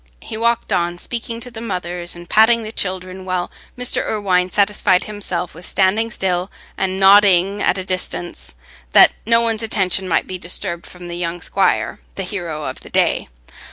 He walked on, speaking to the mothers and patting the children, while Mr. Irwine satisfied himself with standing still and nodding at a distance, that no one's attention might be disturbed from the young squire, the hero of the day.